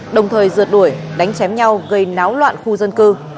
đồng thời rượt đuổi đánh chém nhau gây náo loạn khu dân cư